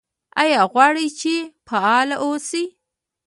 ایا غواړئ چې فعال اوسئ؟